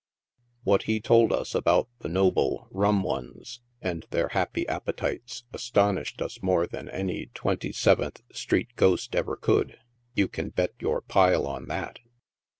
What he told us about the noble Rum ones and their happy appetites astonished us more than any Twenty seventh street Ghost ever could, you can bet your pile on that.